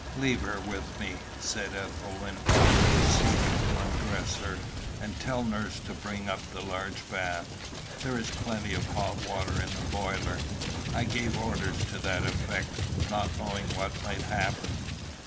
"Leave her with me," said Ethelwyn, proceeding to undress her; "and tell nurse to bring up the large bath. There is plenty of hot water in the boiler. I gave orders to that effect, not knowing what might happen."